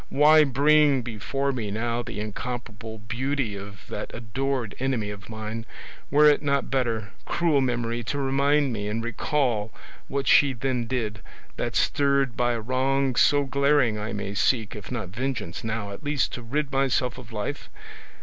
why bring before me now the incomparable beauty of that adored enemy of mine? Were it not better, cruel memory, to remind me and recall what she then did, that stirred by a wrong so glaring I may seek, if not vengeance now, at least to rid myself of life?